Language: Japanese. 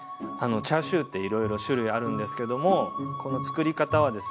チャーシューっていろいろ種類あるんですけどもこのつくり方はですね